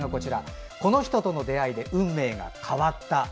この人との出会いで運命が変わった！